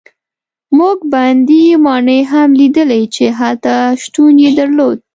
موږ بندي ماڼۍ هم لیدې چې هلته شتون یې درلود.